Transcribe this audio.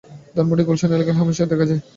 ধানমন্ডি, গুলশান এলাকায় হামেশাই দেখা যায়।